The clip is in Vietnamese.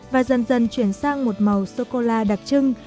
và dần dần chuyển sang một màu sô cô la đặc trưng